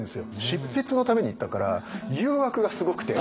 執筆のために行ったから誘惑がすごくて。